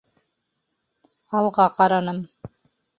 Алға ҡараным.